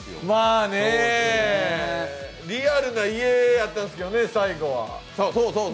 まあね、リアルな家やったんですけどね、最後は。